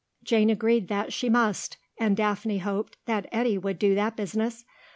Jane agreed that she must, and Daphne hoped that Eddy would do that business.